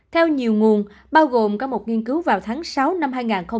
theo nhiều nguồn bao gồm có một nghiên cứu vào tháng sáu năm hai nghìn hai mươi